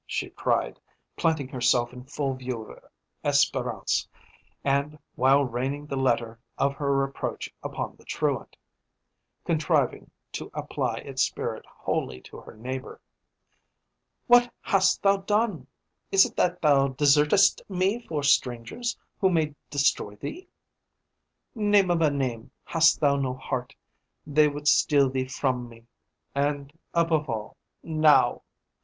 she cried, planting herself in full view of Espérance, and, while raining the letter of her reproach upon the truant, contriving to apply its spirit wholly to her neighbour. "What hast thou done? Is it that thou desertest me for strangers, who may destroy thee? Name of a name, hast thou no heart? They would steal thee from me and above all, now!